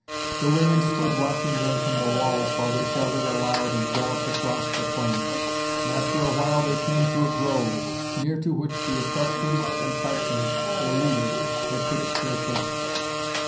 The women stood watching them from the walls, while they shouted aloud and galloped across the plain. And after a while they came to a grove, near to which the Etruscans and Tarchon, their leader, had pitched their camp.